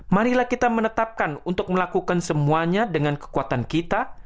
marilah kita menetapkan untuk melakukan semuanya dengan kekuatan kita